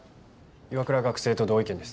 岩倉学生と同意見です。